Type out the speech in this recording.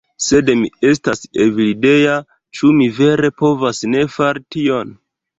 Sed mi estas Evildea... ĉu mi vere povas ne fari tion?